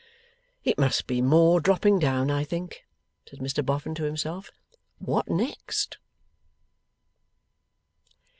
'It MUST be more dropping down, I think,' said Mr Boffin to himself. 'What next?